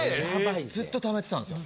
ずっと溜めてたんですよ。